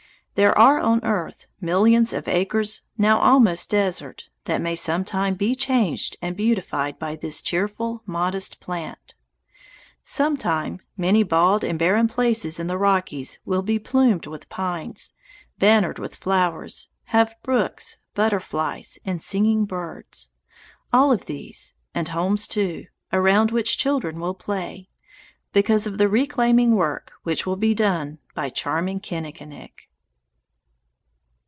There are on earth millions of acres now almost desert that may some time be changed and beautified by this cheerful, modest plant. Some time many bald and barren places in the Rockies will be plumed with pines, bannered with flowers, have brooks, butterflies, and singing birds, all of these, and homes, too, around which children will play, because of the reclaiming work which will be done by charming Kinnikinick.